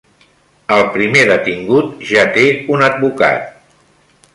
El primer detingut ja té un advocat.